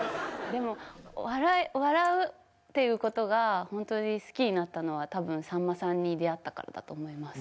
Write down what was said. でも笑うっていう事がほんとに好きになったのは多分さんまさんに出会ったからだと思います。